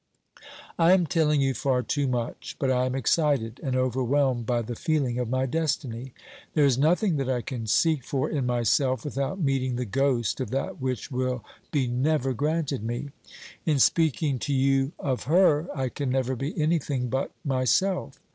I am telling you far too much, but I am excited and overwhelmed by the feeling of my destiny. There is nothing that I can seek for in myself without meeting the ghost of that which will be never granted me. In speaking to you of her, I can never be anything but myself.